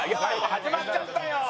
始まっちゃったよ！